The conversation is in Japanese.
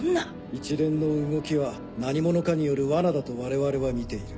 一連の動きは何者かによる罠だと我々は見ている。